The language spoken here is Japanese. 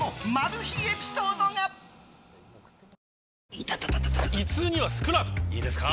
イタタ．．．胃痛にはスクラートいいですか？